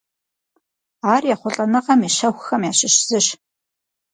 Ар ехъулӀэныгъэм и щэхухэм ящыщ зыщ.